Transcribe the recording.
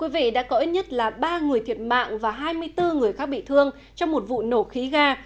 vị đã có ít nhất là ba người thiệt mạng và hai mươi bốn người khác bị thương trong một vụ nổ khí ga